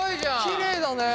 きれいだね。